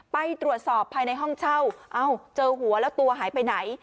ไปตรวจสอบภายในห้องเช่าเอ้าเจอหัวแล้วตัวหายไปไหน